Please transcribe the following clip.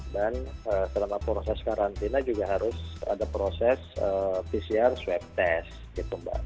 dan selama proses karantina juga harus ada proses pcr swab test